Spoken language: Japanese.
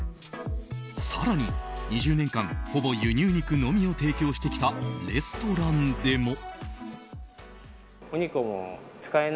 更に２０年間ほぼ輸入肉のみを提供してきたレストランでも。